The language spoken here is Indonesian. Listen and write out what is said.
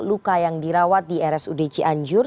luka yang dirawat di rsud cianjur